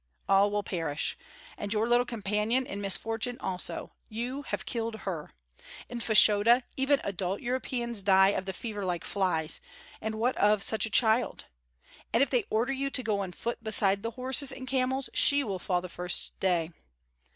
All will perish. And your little companion in misfortune also: you have killed her! In Fashoda even adult Europeans die of the fever like flies, and what of such a child? And if they order you to go on foot beside the horses and camels, she will fall the first day.